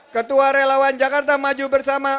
ketua relawan jakarta maju bersama